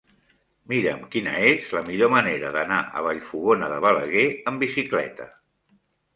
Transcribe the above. Mira'm quina és la millor manera d'anar a Vallfogona de Balaguer amb bicicleta.